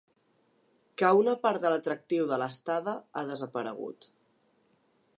Que una part de l’atractiu de l’estada ha desaparegut.